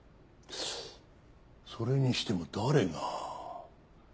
それにしても誰が？